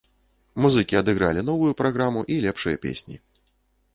Музыкі адыгралі новую праграму і лепшыя песні.